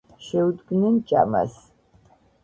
შეუდგნენ ჭამას